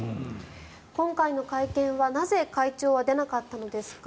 今回の会見は、なぜ会長は出なかったのですか？